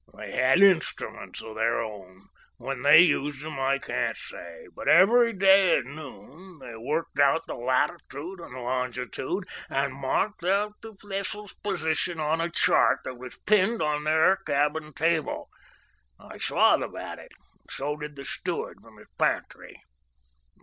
They had instruments o' their own when they used them I can't say but every day at noon they worked out the latitude and longitude, and marked out the vessel's position on a chart that was pinned on their cabin table. I saw them at it, and so did the steward from his pantry."